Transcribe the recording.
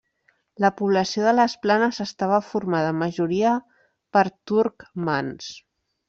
La població de les planes estava formada en majoria per turcmans.